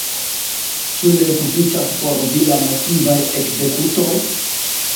Ĉu ne sufiĉas por vi la moskvaj ekzekutoj?